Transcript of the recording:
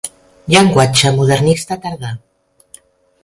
Llenguatge modernista tardà.